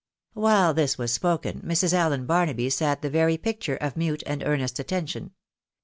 While this was spoken, Mrs. Allen Barnaby sat the very picture cf mute and earnest attention.